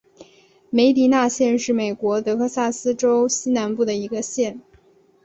梅迪纳县是美国德克萨斯州西南部的一个县。